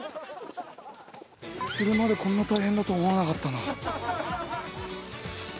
釣るまでこんな大変だと思わなかったな。